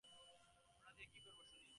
ওটা দিয়ে কী করবো শুনি?